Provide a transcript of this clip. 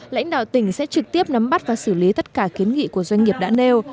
lãnh đạo tỉnh sẽ trực tiếp nắm bắt và xử lý tất cả kiến nghị của doanh nghiệp đã nêu